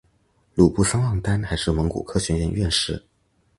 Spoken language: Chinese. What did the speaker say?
鲁布桑旺丹还是蒙古科学院院士。